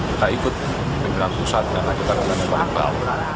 tidak ikut pimpinan pusat karena kita dengan korban